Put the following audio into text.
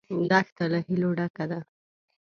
دښته له هیلو ډکه ده.